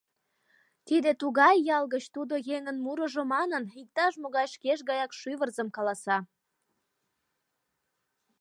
Тиде тугай ял гыч тудо еҥын мурыжо манын, иктаж-могай шкеж гаяк шӱвырзым каласа.